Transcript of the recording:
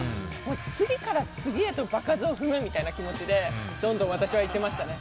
次から次へと場数を踏むみたいな気持ちでどんどん私はいってましたね。